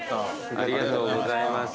ありがとうございます。